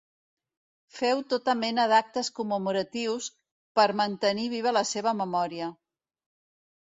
Feu tota mena d'actes commemoratius per mantenir viva la seva memòria.